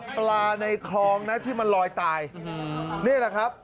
ปลาในคลองนะที่มันลอยตายนี่แหละครับ